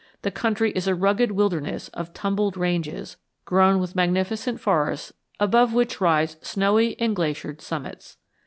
The country is a rugged wilderness of tumbled ranges, grown with magnificent forests above which rise snowy and glaciered summits.